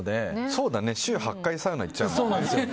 そうだね、週８回サウナ行っちゃうんだもんね。